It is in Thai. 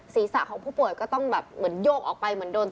ศีรษะของผู้ป่วยก็ต้องแบบเหมือนโยกออกไปเหมือนโดน